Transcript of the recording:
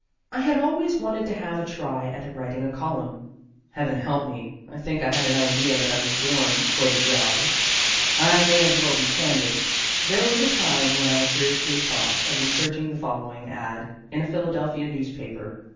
I had always wanted to have a try at writing a column. Heaven help me, I think I had an idea that I was born for the job. I may as well be candid. There was a time when I seriously thought of inserting the following ad in a Philadelphia newspaper.